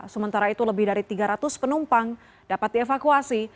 sementara itu lebih dari tiga ratus penumpang dapat dievakuasi